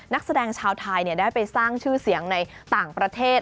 นักแสดงชาวไทยได้ไปสร้างชื่อเสียงในต่างประเทศ